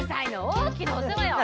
大きなお世話よ。